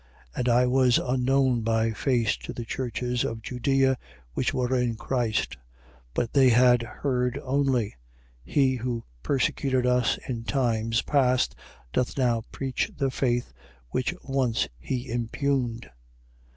1:22. And I was unknown by face to the churches of Judea, which were in Christ: 1:23. But they had heard only: He, who persecuted us in times past doth now preach the faith which once he impugned.